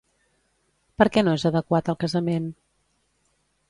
Per què no és adequat el casament?